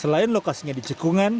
selain lokasinya dicekungan